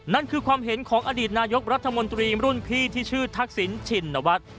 นั่นคือความเห็นของอดีตนายกรัฐมนตรีรุ่นพี่ที่ชื่อทักษิณชินวัฒน์